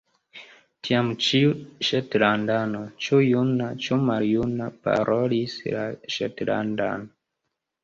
Tiam, ĉiu ŝetlandano, ĉu juna, ĉu maljuna, parolis la ŝetlandan.